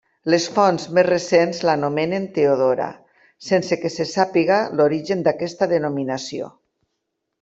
Les fonts més recents la nomenen Teodora, sense que se sàpiga l'origen d'aquesta denominació.